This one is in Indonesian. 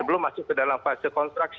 sebelum masuk ke dalam fase konstruksi